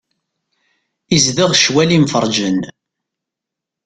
Izdeɣ ccwal imferrǧen.